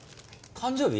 誕生日？